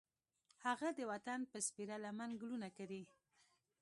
هغه د وطن په سپېره لمن ګلونه کري